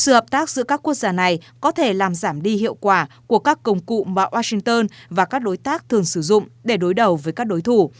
sự hợp tác giữa các quốc gia này có thể làm giảm đi hiệu quả của các công cụ mà washington và các đối tác thường sử dụng để đối đầu với các đối thủ